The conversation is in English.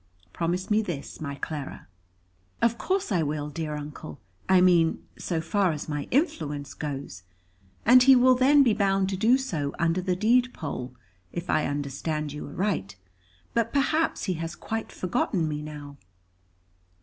Promise me this, my Clara." "Of course I will, dear Uncle I mean, so far as my influence goes. And he will then be bound to do so under the deed poll, if I understood you aright. But perhaps he has quite forgotten me now."